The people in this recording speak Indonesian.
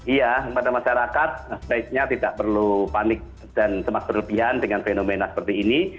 iya kepada masyarakat sebaiknya tidak perlu panik dan cemas berlebihan dengan fenomena seperti ini